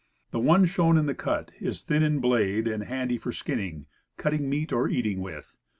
The one shown in the cut is thin in the blade, and handy for skinning, cutting meat, or eating with.